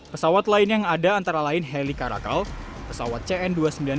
pesawat lain yang ada antara lain heli karakal pesawat cn dua ratus sembilan puluh